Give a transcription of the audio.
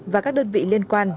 và các đơn vị liên quan